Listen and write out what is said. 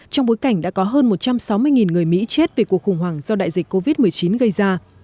trong bối cảnh đã có hơn một trăm sáu mươi người mỹ chết vì cuộc khủng hoảng do đại dịch covid một mươi chín gây ra